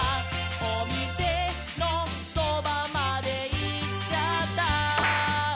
「おみせのそばまでいっちゃった」